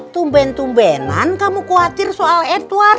tumben tumbenan kamu khawatir soal edward